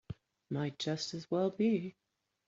Might just as well be.